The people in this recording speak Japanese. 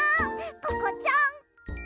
ココちゃん。